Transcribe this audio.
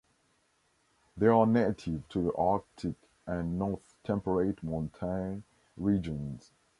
They are native to the Arctic and north temperate montane regions.